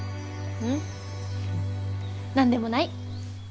ううん何でもない。